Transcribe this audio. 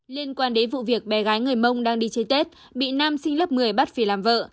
liên quan đến vụ việc bé gái người mông đang đi chơi tết bị nam sinh lớp một mươi bắt vì làm vợ